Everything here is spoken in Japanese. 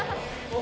お！